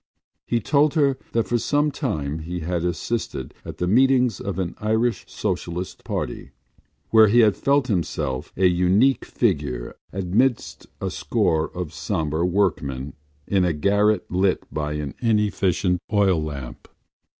He told her that for some time he had assisted at the meetings of an Irish Socialist Party where he had felt himself a unique figure amidst a score of sober workmen in a garret lit by an inefficient oil lamp.